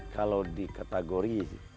kalau di kategori